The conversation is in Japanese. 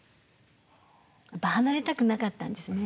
離れたくなかったんですね。